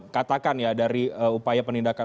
katakan dari upaya penindakan